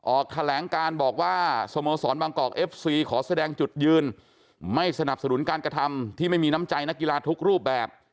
ออกแถลงการบอกว่าสโมสรบางกอกเอฟซีขอแสดงจุดยืนไม่สนับสนุนการกระทำที่ไม่มีน้ำใจนักกีฬาทุกรูปแบบ